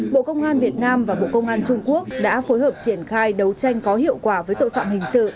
bộ công an việt nam và bộ công an trung quốc đã phối hợp triển khai đấu tranh có hiệu quả với tội phạm hình sự